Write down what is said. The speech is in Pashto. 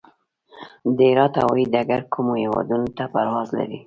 د هرات هوايي ډګر کومو هیوادونو ته پرواز لري؟